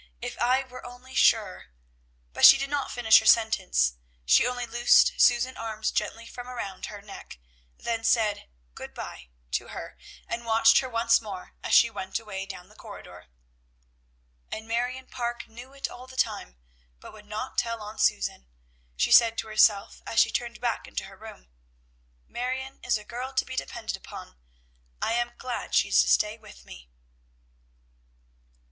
If I were only sure," but she did not finish her sentence, she only loosened Susan's arms gently from around her neck, then said "good by" to her, and watched her once more as she went away down the corridor. "And Marion Parke knew it all the time, but would not tell on Susan," she said to herself as she turned back into her room. "Marion is a girl to be depended upon, I am glad she is to stay with me."